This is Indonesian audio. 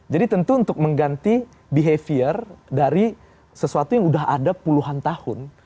jadi tentu untuk mengganti behavior dari sesuatu yang udah ada puluhan tahun